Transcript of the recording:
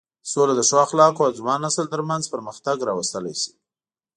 سوله د ښو اخلاقو او ځوان نسل تر منځ پرمختګ راوستلی شي.